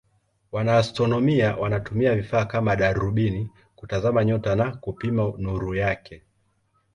Wanaastronomia wanatumia vifaa kama darubini kutazama nyota na kupima nuru yake.